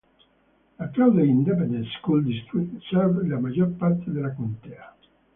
La Claude Independent School District serve la maggior parte della contea.